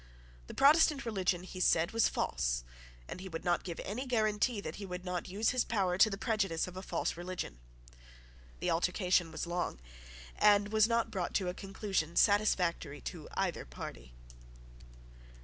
The Protestant religion, he said, was false and he would not give any guarantee that he would not use his power to the prejudice of a false religion. The altercation was long, and was not brought to a conclusion satisfactory to either party.